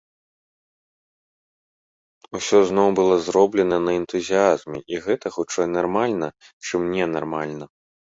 Усё зноў было зроблена на энтузіязме, і гэта хутчэй нармальна, чым ненармальна.